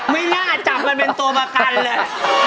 ไม่น่าจับมันเป็นตัวประกันเลย